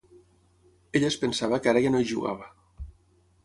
Ella es pensava que ara ja no hi jugava.